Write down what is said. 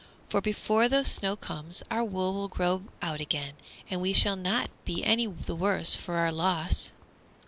For before the snow comes our wool will grow out again, and we shall not be any the worse for our loss."